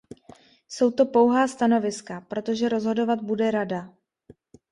Jsou to pouhá stanoviska, protože rozhodovat bude Rada.